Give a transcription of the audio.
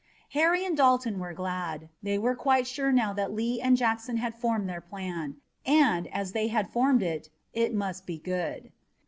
Harry and Dalton were glad. They were quite sure now that Lee and Jackson had formed their plan, and, as they had formed it, it must be good.